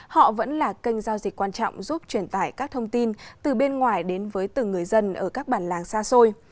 họ vẫn là kênh giao dịch quan trọng giúp truyền tải các thông tin từ bên ngoài đến với từng người dân ở các bản làng xa xôi